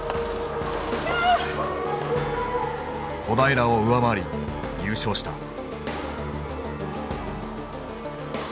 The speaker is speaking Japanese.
小平を上回り優勝した。